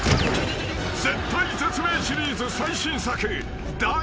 ［絶体絶命シリーズ最新作］